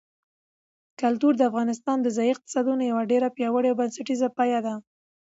کلتور د افغانستان د ځایي اقتصادونو یو ډېر پیاوړی او بنسټیز پایایه دی.